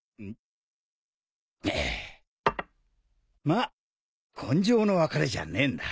まあ今生の別れじゃねえんだ。